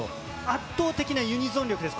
圧倒的なユニゾン力です。